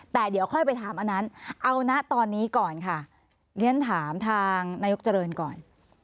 แต่เดี๋ยวค่อยไปถามอันนั้นเอานะตอนนี้ก่อนค่ะเรียนถามทางนายกเจริญก่อน